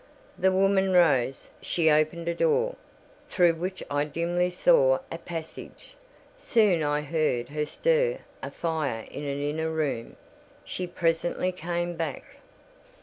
The woman rose: she opened a door, through which I dimly saw a passage: soon I heard her stir a fire in an inner room; she presently came back.